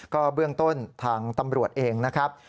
ก็เบื้องต้นทางตำรวจเองนะครับ